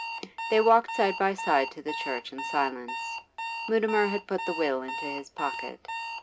They walked side by side to the church in silence: Mutimer had put the will into his pocket.